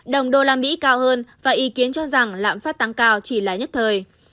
đồng đô la mỹ cao hơn và ý kiến cho rằng lạm phát tăng cao chỉ là nhất thời